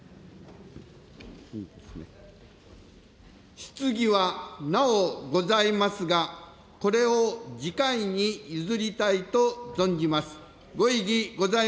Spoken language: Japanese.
質疑はなおございますが、これを次会に譲りたいと存じます。